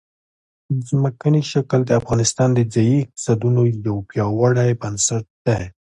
ځمکنی شکل د افغانستان د ځایي اقتصادونو یو پیاوړی بنسټ دی.